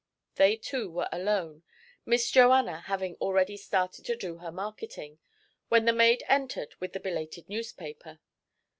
They two were alone, Miss Joanna having already started to do her marketing, when the maid entered with the belated newspaper.